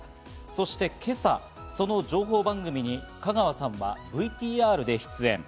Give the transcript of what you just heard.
そして今朝、その情報番組に香川さんはＶＴＲで出演。